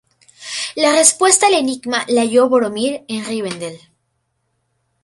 La respuesta al enigma la halló Boromir en Rivendel.